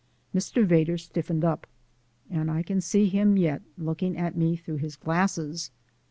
Mr. Vedder stiffened up, and I can see him yet looking at me through his glasses.